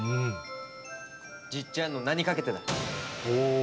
じっちゃんの名にかけてだ。